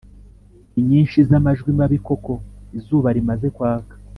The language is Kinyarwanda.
inyinshi z’amajwi mabi koko. Izuba rimaze kwaka